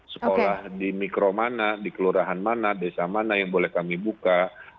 sekolah di mikro mana di kelurahan mana desa mana yang boleh kami buka